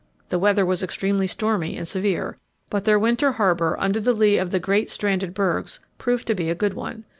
The weather was extremely stormy and severe, but their winter harbour, under the lee of great stranded bergs, proved to be a good one.